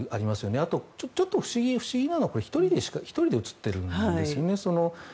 あと、ちょっと不思議なのは１人で映っているんですよね。